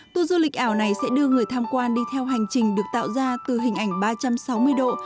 tour du lịch ảo này sẽ đưa người tham quan đi theo hành trình được tạo ra từ hình ảnh ba trăm sáu mươi độ